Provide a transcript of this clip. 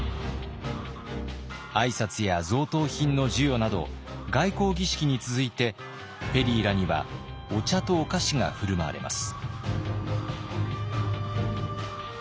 挨拶や贈答品の授与など外交儀式に続いてペリーらにはお茶とお菓子が振る舞われます。